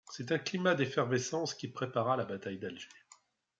C'est ce climat d'effervescence qui prépara la bataille d'Alger.